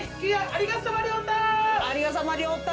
ありがっさまりょうた！